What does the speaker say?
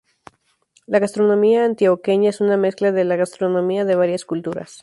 La gastronomía antioqueña es una mezcla de la gastronomía de varias culturas.